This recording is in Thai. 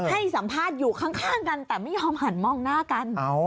ให้สัมภาษณ์อยู่ข้างกันแต่ไม่ยอมหันมองหน้ากัน